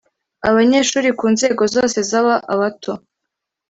abanyeshuri ku nzego zose zaba abato